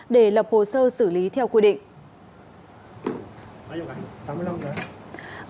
để lập hồ sơ xử lý theo quy định